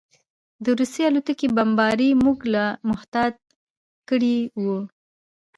د روسي الوتکو بمبار موږ لا محتاط کړي وو